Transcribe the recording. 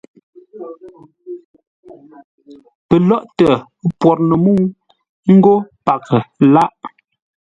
Pəlóghʼtə pwor no mə́u ńgó paghʼə lághʼ.